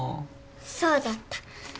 そうだった。